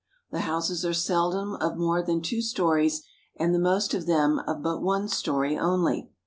The houses are seldom of more than two stories, and the most of them of but one story only.